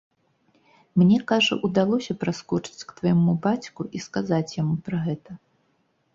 Мне, кажа, удалося праскочыць к твайму бацьку і сказаць яму пра гэта.